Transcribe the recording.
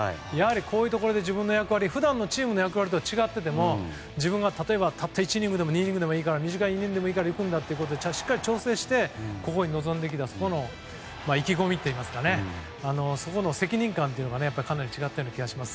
こういうところで普段のチームの役割と違っていても自分は例えば、たった１イニングでも２イニングでも短いイニングでもいくんだということでしっかり調整してここに臨んできた意気込みといいますか責任感がかなり違ったような気がします。